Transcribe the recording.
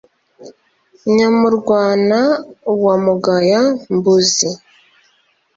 nyamurwana wa mugaya-mbûzi